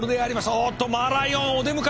おっとマーライオンお出迎えだ！